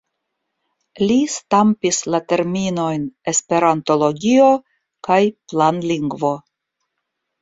Li stampis la terminojn esperantologio kaj planlingvo.